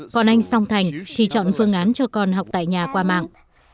còn anh song thành thì chọn phương án cho con học tại nhà qua mạng